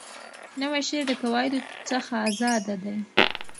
نوی شعر د قواعدو څخه آزاده دی.